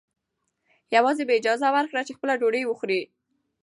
یوازې یې اجازه ورکړه چې خپله ډوډۍ وخوري.